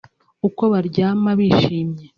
uko baryama bishimye